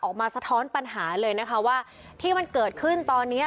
ออกมาสะท้อนปัญหาเลยนะคะว่าที่มันเกิดขึ้นตอนนี้